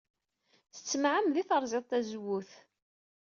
S tmeɛmada ay terẓid tazewwut.